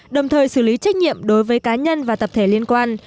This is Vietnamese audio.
đồng thời xử lý trách nhiệm đối với cá nhân và tập thể liên quan